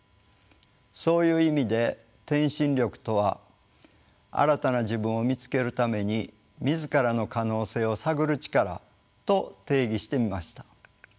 そういう意味で「転身力」とは新たな自分を見つけるために自らの可能性を探る力と定義してみました。